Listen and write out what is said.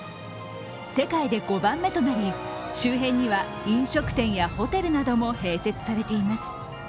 世界で５番目となり周辺には飲食店やホテルなども併設されています。